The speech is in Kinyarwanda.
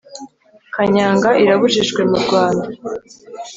kanyanga irabujijwe murwanda